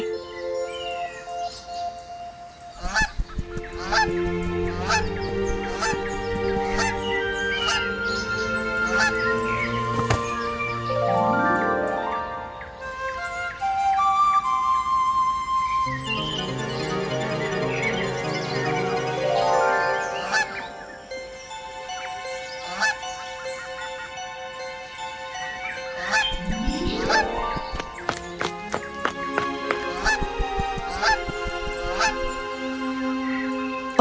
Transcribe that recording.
aku akan mencari anggota anggota anggota anggota